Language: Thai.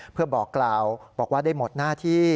เพื่อบอกกล่าวบอกว่าได้หมดหน้าที่